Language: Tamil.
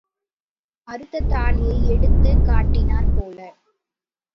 அறுத்த தாலியை எடுத்துக் கட்டினாற் போல.